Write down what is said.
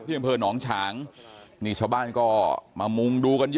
ที่เกิดเกิดเหตุอยู่หมู่๖บ้านน้ำผู้ตะมนต์ทุ่งโพนะครับที่เกิดเกิดเหตุอยู่หมู่๖บ้านน้ำผู้ตะมนต์ทุ่งโพนะครับ